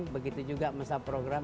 begitu juga masa program